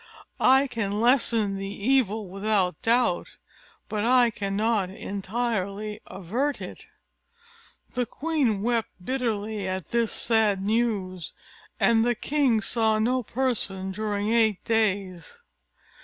I can lessen the evil, without doubt, but I cannot entirely avert it." The queen wept bitterly at this sad news, and the king saw no person during eight days.